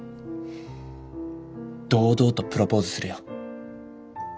堂々とプロポーズするよ。